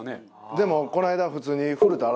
でもこの間普通に。